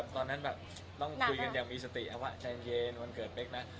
ตอนนั้นแบบต้องคุยกันอย่างมีสติเอาวะใจเย็นวันเกิดเป๊กนะ